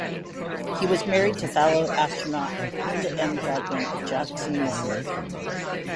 He was married to fellow astronaut Linda M. Godwin of Jackson, Missouri.